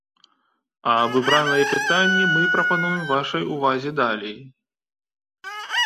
А выбраныя пытанні мы прапануем вашай увазе далей.